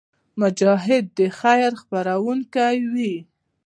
مجاهد د خیر خپرونکی وي.